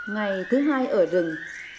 ngày thứ hai ở rừng